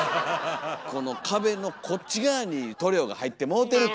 この壁のこっち側に塗料が入ってもうてると。